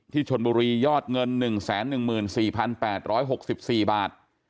ชนบุรียอดเงิน๑๑๔๘๖๔บาท